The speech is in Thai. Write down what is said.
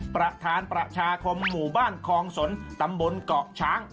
ประธานประชาคมหมู่บ้านคลองสนตำบลเกาะช้าง